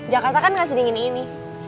jakarta kan nggak sedingin ini